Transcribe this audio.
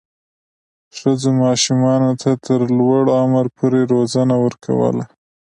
ښځو ماشومانو ته تر لوړ عمر پورې روزنه ورکوله.